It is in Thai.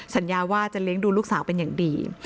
สัญญาว่าจะเลี้ยงดูลูกสาวเป็นอย่างดี